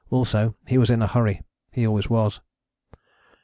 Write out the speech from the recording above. Also he was in a hurry, he always was.